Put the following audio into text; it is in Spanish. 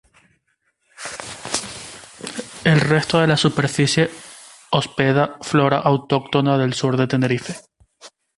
El resto de la superficie hospeda flora autóctona del Sur de Tenerife.